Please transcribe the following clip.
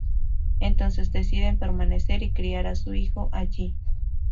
Entonces deciden permanecer y criar a su hijo allí.